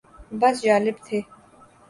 بس جالب تھے۔